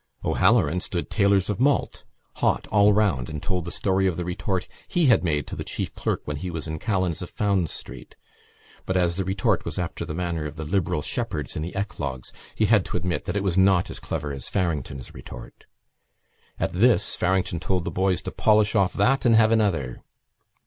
O'Halloran stood tailors of malt, hot, all round and told the story of the retort he had made to the chief clerk when he was in Callan's of Fownes's Street; but, as the retort was after the manner of the liberal shepherds in the eclogues, he had to admit that it was not as clever as Farrington's retort. At this Farrington told the boys to polish off that and have another.